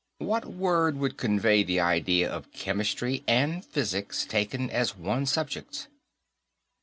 What word would convey the idea of chemistry and physics taken as one subject?"